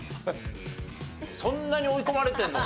そんなに追い込まれてるのか？